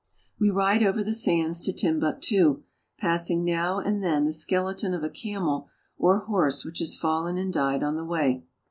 We ride over the sands to Timbuktu, passing now and then the skeleton of a camel or horse which has fallen and died on the way.